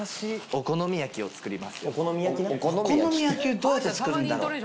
お好み焼きをどうやって作るんだろう？